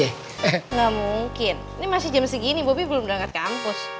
enggak mungkin ini masih jam segini bopi belum udah angkat kampus